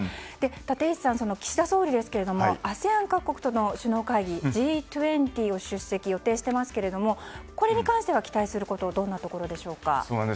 立石さん、岸田総理ですけれどもＡＳＥＡＮ各国との首脳会議Ｇ２０を出席予定していますがこれに関して期待することはどんなことでしょうか？